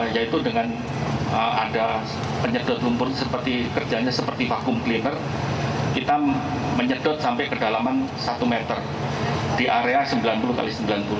yaitu dengan ada penyedot lumpur seperti kerjanya seperti vakum cleaner kita menyedot sampai kedalaman satu meter di area sembilan puluh x sembilan puluh